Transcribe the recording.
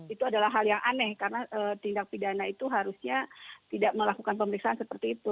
itu adalah hal yang aneh karena tindak pidana itu harusnya tidak melakukan pemeriksaan seperti itu